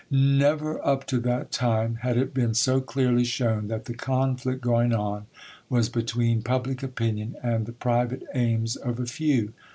Never up to that time had it been so clearly shown that the conflict going on was between public opinion and the private aims of a few.